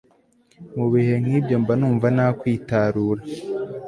mu bihe nk'ibyo, mba numva nakwitarura